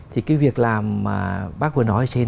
thì cái việc làm mà bác vừa nói ở trên